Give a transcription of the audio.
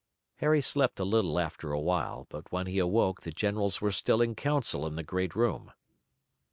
Harry slept a little after a while, but when he awoke the generals were still in council in the great room.